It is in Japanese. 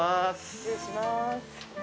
失礼します。